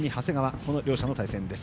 この両者の対戦です。